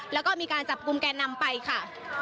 แล้วก็มีการจับกลุ่มแกนนำไปค่ะ